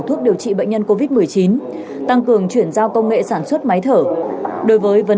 thuốc điều trị bệnh nhân covid một mươi chín tăng cường chuyển giao công nghệ sản xuất máy thở đối với vấn